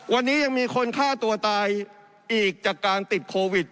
วันนี้ยังมีคนฆ่าตัวตายอีกจากการติดโควิด